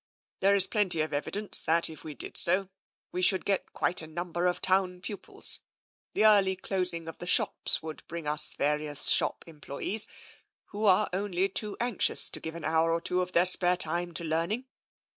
There is plenty of evi dence that, if we did so, we should get quite a number of town pupils. The early closing of the shops would bring us various shop employees, who are only too TENSION 95 anxious to give an hour or two of their spare time to learning.